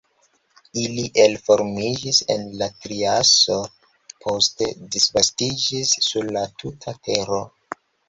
Ili elformiĝis en la triaso, poste disvastiĝis sur la tuta Tero.